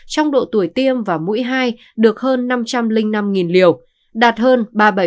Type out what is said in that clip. trong độ tuổi tiêm và mũi hai được hơn năm trăm linh năm liều đạt hơn ba mươi bảy